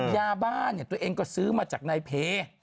ยาบ้านตัวเองก็ซื้อมาจากนายเพ